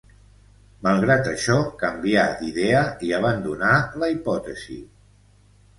Malgrat això, canvià d'idea i abandonà la hipòtesi.